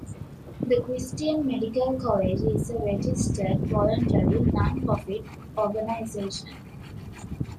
The Christian Medical College is a registered voluntary, non-profit organization.